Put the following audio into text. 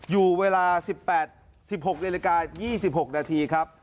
อยู่เวลา๑๘๑๖นาฬิกา๒๖นาทีครับ